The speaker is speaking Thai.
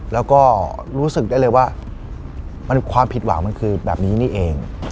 แล้วก็รู้สึกได้เลยว่าความผิดหวังมันคือแบบนี้นี่เอง